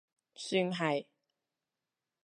算係